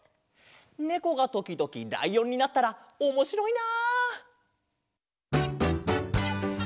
ねこがときどきらいおんになったらおもしろいな！